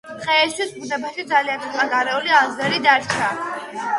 დღეისთვის ბუნებაში ძალიან ცოტა გარეული აზავერი დარჩა.